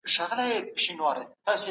پوهه هېڅکله زړه نه ګرځي.